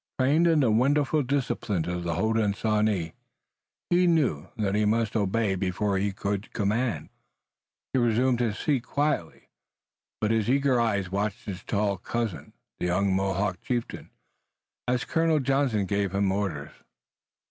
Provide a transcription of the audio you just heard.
Trained in the wonderful discipline of the Hodenosaunee he knew that he must obey before he could command. He resumed his seat quietly, but his eager eyes watched his tall cousin, the young Mohawk chieftain, as Colonel Johnson gave him orders.